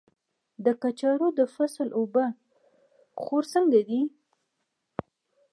د کچالو د فصل اوبه خور څنګه دی؟